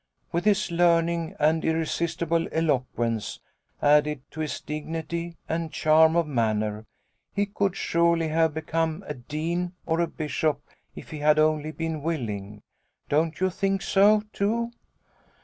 With his learning and irresistible eloquence, added to his dignity and charm of manner, he could surely have become a dean or a bishop if he had only been willing. Don't you think so, too